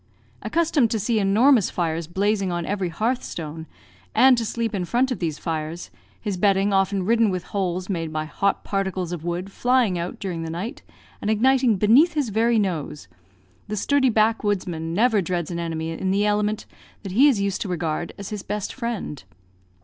Accustomed to see enormous fires blazing on every hearth stone, and to sleep in front of these fires, his bedding often riddled with holes made by hot particles of wood flying out during the night, and igniting beneath his very nose, the sturdy backwoodsman never dreads an enemy in the element that he is used to regard as his best friend.